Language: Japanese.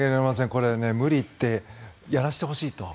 これ、無理を言ってやらせてほしいと。